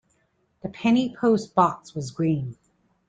The penny post box was green.